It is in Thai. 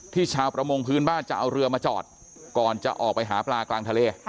ชาวประมงพื้นบ้านจะเอาเรือมาจอดก่อนจะออกไปหาปลากลางทะเล